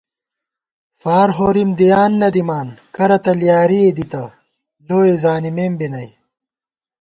فار ہورِم دیان نہ دِمان کرہ تہ لیارِئےدِتہ لوئےزانِمېم بی نئ